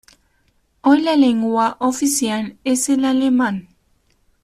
Hoy la lengua oficial es el alemán.